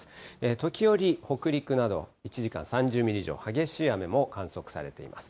時折、北陸など、１時間３０ミリ以上、激しい雨も観測されています。